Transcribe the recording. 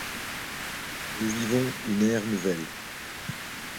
Nous vivons une ère nouvelle.